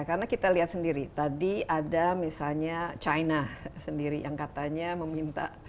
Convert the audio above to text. karena kita lihat sendiri tadi ada misalnya china sendiri yang katanya meminta